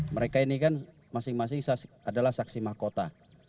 mereka ini kan masing masing adalah saksi mahkota